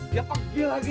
dia pagi lagi